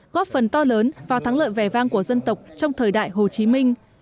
góp phần to lớn vào thắng lợi vẻ vang của dân tộc trong thời đại hồ chí minh